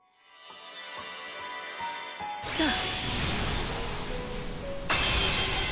さあ。